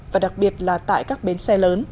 và đặc biệt là tại các bến xe